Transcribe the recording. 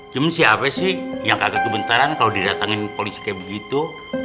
cuma siapa sih yang agak kebentaran kalau didatangin polisi kayak begitu